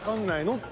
って